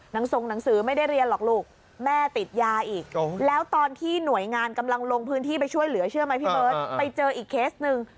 ส่งหนังสือไม่ได้เรียนหรอกลูกแม่ติดยาอีกแล้วตอนที่หน่วยงานกำลังลงพื้นที่ไปช่วยเหลือเชื่อไหมพี่เบิร์ตไปเจออีกเคสหนึ่ง